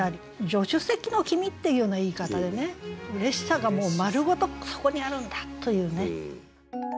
「助手席の君」っていうような言い方でね嬉しさがもう丸ごとそこにあるんだというね。